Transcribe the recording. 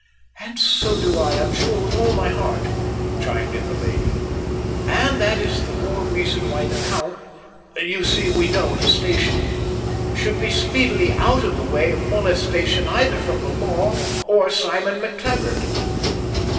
"And so do I, I'm sure, with all my heart," chimed in the lady. "And that is all the more reason why the Count you see we know his station should be speedily out of the way of molestation, either from the law or Simon MacTaggart."